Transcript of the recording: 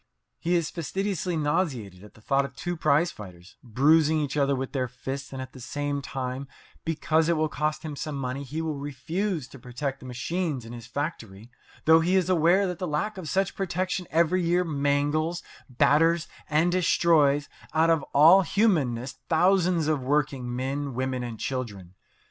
He is fastidiously nauseated at the thought of two prize fighters bruising each other with their fists; and at the same time, because it will cost him some money, he will refuse to protect the machines in his factory, though he is aware that the lack of such protection every year mangles, batters, and destroys out of all humanness thousands of working men, women, and children.